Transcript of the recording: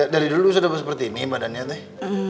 dari dulu sudah seperti ini badannya nih